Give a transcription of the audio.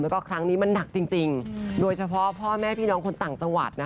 แล้วก็ครั้งนี้มันหนักจริงโดยเฉพาะพ่อแม่พี่น้องคนต่างจังหวัดนะคะ